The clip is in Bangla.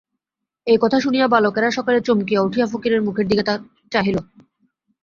এই কথা শুনিয়া বালকেরা সকলে চমকিয়া উঠিয়া ফকিরের মুখের দিকে চাহিল।